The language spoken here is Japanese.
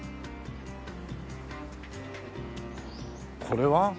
これは？